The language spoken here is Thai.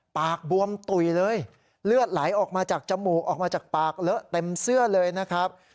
บวมตุ๋ยเลยเลือดไหลออกมาจากจมูกออกมาจากปากเลอะเต็มเสื้อเลยนะครับ